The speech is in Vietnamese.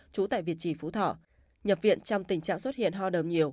trú tại việt trì phú thọ nhập viện trong tình trạng xuất hiện ho đờm nhiều